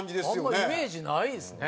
あんまイメージないですね。